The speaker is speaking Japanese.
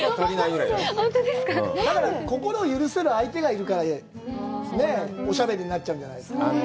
だから、心を許せる相手がいるからね、おしゃべりになっちゃうんじゃない？